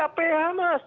dapatkan dari aph mas